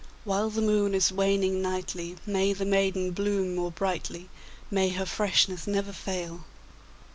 While the moon is waning nightly, May the maiden bloom more brightly, May her freshness never fail!